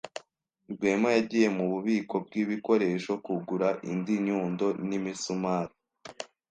Rwema yagiye mububiko bwibikoresho kugura indi nyundo n imisumari.